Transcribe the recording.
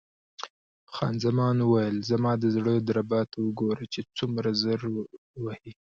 خان زمان وویل: زما د زړه دربا ته وګوره چې څومره زر وهي.